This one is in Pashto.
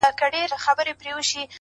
هره ناکامي د زده کړې نوی باب دی،